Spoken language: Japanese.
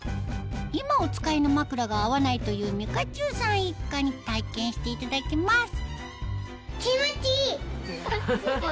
今お使いのまくらが合わないというみかちゅうさん一家に体験していただきます